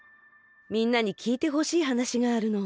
みんなにきいてほしいはなしがあるの。